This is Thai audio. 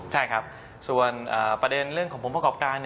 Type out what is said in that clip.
ใช่ครับส่วนประเด็นเรื่องของผลประกอบการ